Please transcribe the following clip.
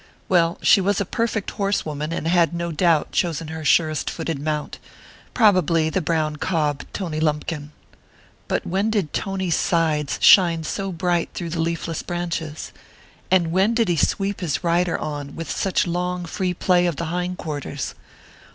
Well, she was a perfect horsewoman and had no doubt chosen her surest footed mount...probably the brown cob, Tony Lumpkin. But when did Tony's sides shine so bright through the leafless branches? And when did he sweep his rider on with such long free play of the hind quarters?